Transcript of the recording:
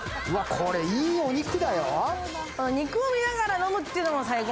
これ、いいお肉だよ。